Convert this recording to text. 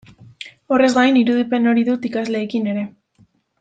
Horrez gain, irudipen hori dut ikasleekin ere.